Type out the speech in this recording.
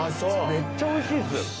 めっちゃおいしいです。